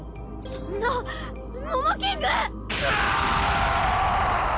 そんなモモキング！